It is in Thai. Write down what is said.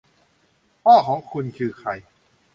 พ่อของคุณคือใคร